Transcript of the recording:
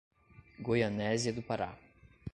Goianésia do Pará